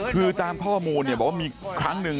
คือตามข้อมูลเนี่ยบอกว่ามีครั้งหนึ่ง